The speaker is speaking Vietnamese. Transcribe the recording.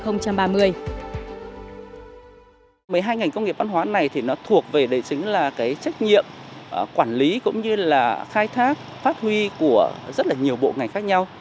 một mươi hai ngành công nghiệp văn hóa này thuộc về trách nhiệm quản lý cũng như khai thác phát huy của rất nhiều bộ ngành khác nhau